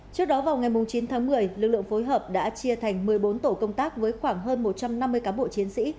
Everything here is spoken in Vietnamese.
trước đó vào ngày chín tháng một mươi lực lượng phối hợp đã chia thành một mươi bốn tổ công tác với khoảng hơn một trăm năm mươi cán bộ chiến sĩ